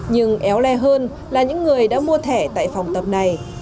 nhưng éo le hơn là những người đã mua thẻ tại phòng tập này